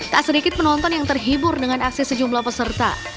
tak sedikit penonton yang terhibur dengan aksi sejumlah peserta